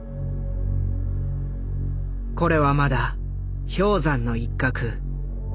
これはまだ氷山の一角。